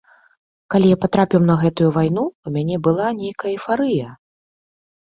Калі я патрапіў на гэтую вайну, у мяне была нейкая эйфарыя.